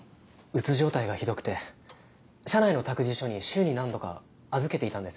鬱状態がひどくて社内の託児所に週に何度か預けていたんです。